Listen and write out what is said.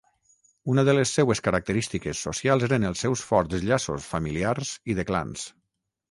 Una de les seues característiques socials eren els seus forts llaços familiars i de clans.